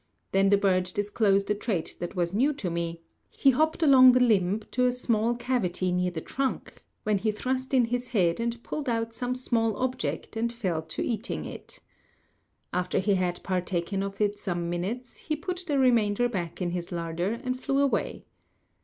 Then the bird disclosed a trait that was new to me; he hopped along the limb to a small cavity near the trunk, when he thrust in his head and pulled out some small object and fell to eating it. After he had partaken of it some minutes he put the remainder back in his larder and flew away.